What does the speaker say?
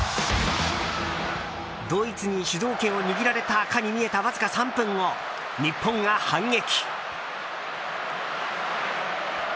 ドイツに主導権を握られたかに見えたわずか３分後日本が反撃！